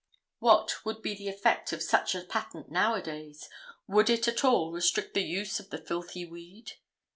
[What, would be the effect of such a patent now a days? Would it, at all, restrict the use of the "filthy weed?"